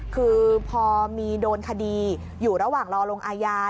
คือพอมีโดนคดีอยู่ระหว่างรอลงอาญา